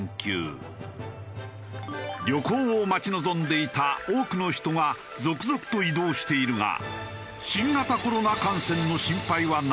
旅行を待ち望んでいた多くの人が続々と移動しているが新型コロナ感染の心配はないのか？